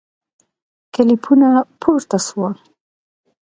کلیپونه پورته سوه